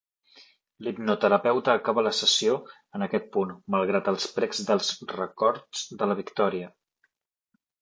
L'hipnoterapeuta acaba la sessió en aquest punt, malgrat els precs dels records de la Victoria.